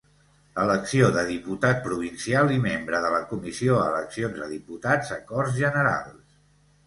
Elecció de diputat provincial i membre de la comissió, eleccions a diputats a Corts Generals.